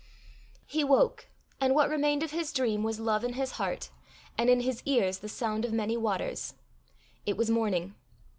He woke, and what remained of his dream was love in his heart, and in his ears the sound of many waters. It was morning.